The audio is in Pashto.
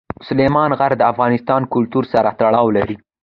سلیمان غر د افغان کلتور سره تړاو لري.